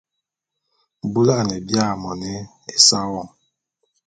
Bula’ane bia moni esa won !